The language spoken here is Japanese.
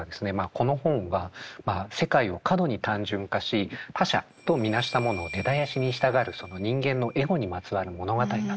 「この本は世界を過度に単純化し他者とみなした者を根絶やしにしたがる人間のエゴにまつわる物語なのだ。